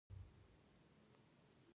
د نغلو بند د کابل سیند باندې دی